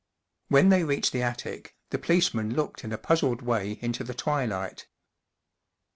When they reached the attic, the policeman looked in a puzzled way into the twilight.